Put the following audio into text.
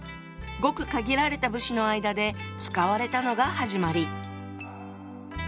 ごく限られた武士の間で使われたのが始まり。